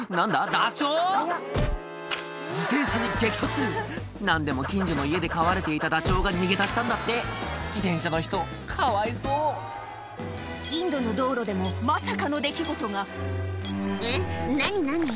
ダチョウ⁉自転車に激突何でも近所の家で飼われていたダチョウが逃げ出したんだって自転車の人かわいそうインドの道路でもまさかの出来事がえっ何何？